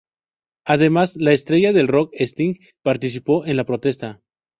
Además la estrella del rock Sting participó en la protesta.